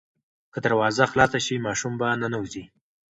که دروازه خلاصه شي ماشوم به ننوځي.